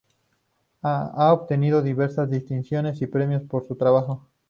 Ha obtenido diversas distinciones y premios por su trabajo.